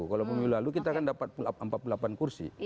kalau pemilu lalu kita kan dapat empat puluh delapan kursi